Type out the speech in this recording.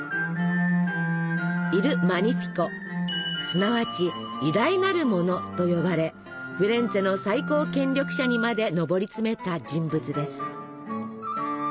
すなわち「偉大なる者」と呼ばれフィレンツェの最高権力者にまで上り詰めた人物です。